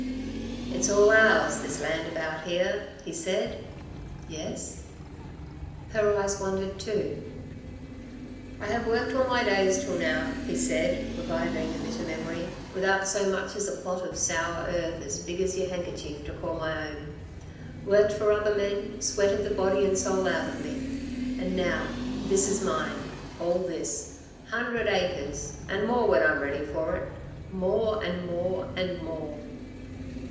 "It's all ours, this land about here," he said. "Yes?" Her eyes wandered too. "I have worked all my days, till now," he said, reviving a bitter memory, "without so much as a plot of sour earth as big as y're handkerchief to call my own. Worked for other men, sweated the body and soul out of me ... and now, this is mine ... all this ... hundred acres ... and more when I'm ready for it, more, and more, and more...."